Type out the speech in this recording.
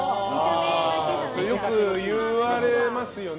よく言われますよね